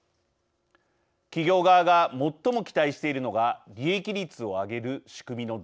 企業側が最も期待しているのが利益率を上げる仕組みの導入です。